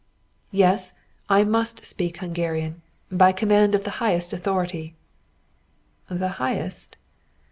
] "Yes, I must speak Hungarian, by command of the highest authority." "The highest?"